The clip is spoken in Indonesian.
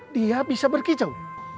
dia bisa berkicau